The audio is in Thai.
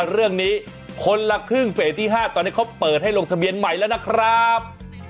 เรื่องนี้คนละครึ่งเฟสที่๕ตอนนี้เขาเปิดให้ลงทะเบียนใหม่แล้วนะครับ